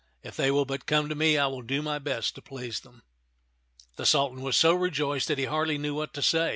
If they will but come to me, I will do my best to please them." The Sultan was so rejoiced that he hardly knew what to say.